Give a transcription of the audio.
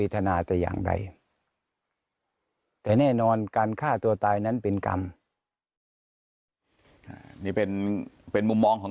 ที่จะมีครึก